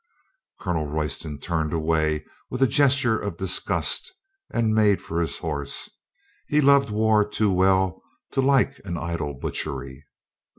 Colonel Royston turned away with a gesture of disgust and made for his horse. He loved war too well to like an idle butchery.